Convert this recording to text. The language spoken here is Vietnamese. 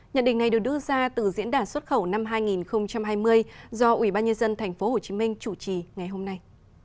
nhận định này được đưa ra từ diễn đàn xuất khẩu năm hai nghìn hai mươi do ủy ban nhân dân tp hcm chủ trì ngày hôm nay